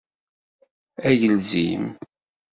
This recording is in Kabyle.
Agelzim.